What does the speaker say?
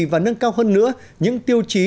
và nâng cao hơn nữa những tiêu chí